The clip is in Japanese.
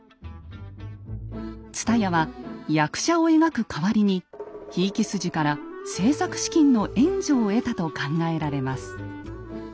蔦屋は役者を描く代わりにひいき筋から制作資金の援助を得たと考えられます。